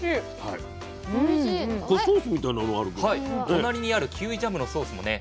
隣にあるキウイジャムのソースもね